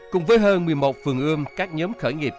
cùng với hơn một mươi một vườn ươm các nhóm khởi nghiệp